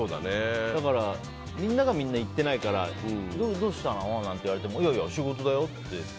だから、みんながみんな行ってないからどうしたのなんて言われてもいやいや、仕事だよって。